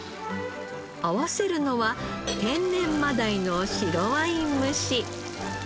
合わせるのは天然マダイの白ワイン蒸し。